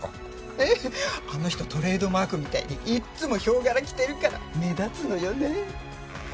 ええあの人トレードマークみたいにいっつも豹柄着てるから目立つのよね。